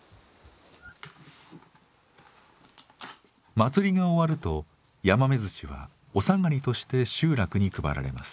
祭りが終わるとヤマメずしはお下がりとして集落に配られます。